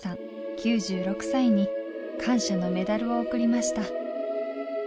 ９６歳に感謝のメダルを贈りました。